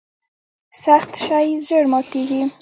سخت شی ژر ماتیږي.